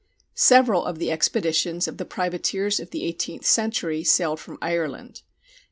Several of the expeditions of the privateers of the eighteenth century sailed from Ireland.